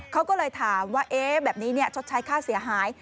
เขาก็เลยถามว่าแบบนี้ชดใช้ค่าเสียหาย